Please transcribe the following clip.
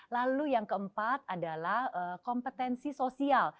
lalu yang keempat adalah kompetensi sosial